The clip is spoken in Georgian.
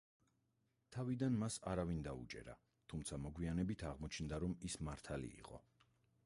თავიდან მას არავინ დაუჯერა, თუმცა მოგვიანებით აღმოჩნდა რომ ის მართალი იყო.